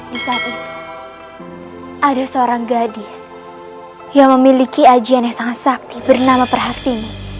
di saat itu ada seorang gadis yang memiliki ajian yang sangat sakti bernama perhatini